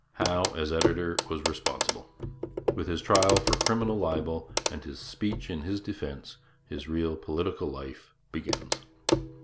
Howe as editor was responsible. With his trial for criminal libel, and his speech in his defence, his real political life begins.